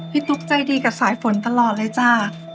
ตุ๊กใจดีกับสายฝนตลอดเลยจ้า